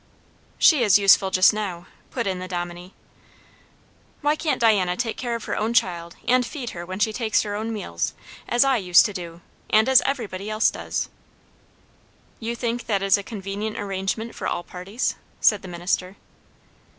"She is useful just now," put in the Dominie. "Why can't Diana take care of her own child, and feed her when she takes her own meals? as I used to do, and as everybody else does." "You think that is a convenient arrangement for all parties?" said the minister.